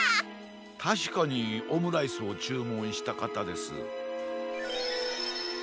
たしかにオムライスをちゅうもんしたかたです。